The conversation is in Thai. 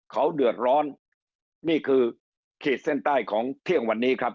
เขาเดือดร้อนนี่คือขีดเส้นใต้ของเที่ยงวันนี้ครับ